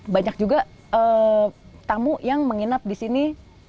banyak juga tamu yang menginap di sini